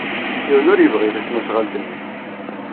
Yiwen ur yebɣi tasnasɣalt-nni.